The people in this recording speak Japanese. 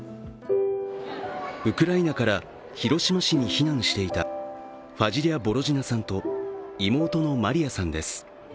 ウクライナから広島市に避難していたファジリャ・ボロジナさんと妹のマリアさんです。